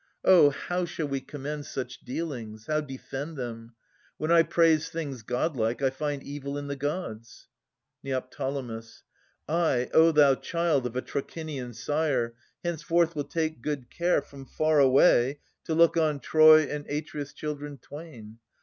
Oh, how shall we commend Such dealings, how defend them ? When I praise Things god like, I find evil in the Gods. Neo. I, O thou child of a Trachinian sire, Henceforth will take good care, from far away To look on Troy and Atreus' children twain.